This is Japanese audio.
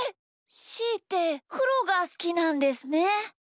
しーってくろがすきなんですね。